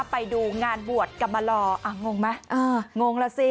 ไปดูงานบวชกรรมลองงไหมงงแล้วสิ